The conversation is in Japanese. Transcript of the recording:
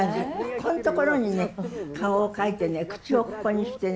ここんところにね顔を描いてね口をここにしてね。